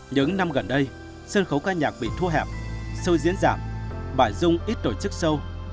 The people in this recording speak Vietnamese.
những năm gần đây sân khấu ca nhạc bị thua hẹp show diễn giảm bà dung ít tổ chức show